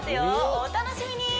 お楽しみに！